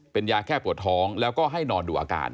เป็นยาแค่ปวดท้องแล้วก็ให้นอนดูอาการ